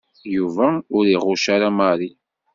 Yuba ur iɣucc ara Mary.